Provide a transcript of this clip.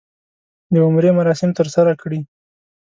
د عمرې مراسم ترسره کړي.